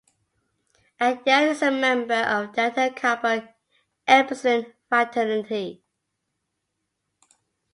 At Yale he was a member of Delta Kappa Epsilon fraternity.